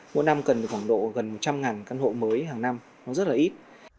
mỗi năm cần được khoảng độ gần một trăm linh căn hộ mới hàng năm nó rất là ít